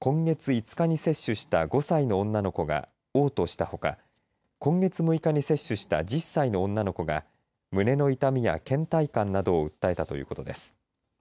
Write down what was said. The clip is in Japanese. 今月５日に接種した５歳の女の子がおう吐したほか今月６日に接種した１０歳の女の子が胸の痛みやけん怠感などを訴えたということです。